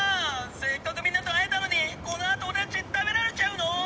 「せっかくみんなと会えたのにこのあと俺たち食べられちゃうの？」